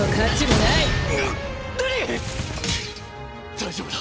大丈夫だ。